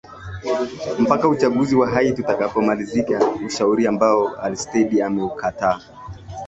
mpaka uchaguzi wa haiti utakapo malizika ushauri ambao alistede ameukataa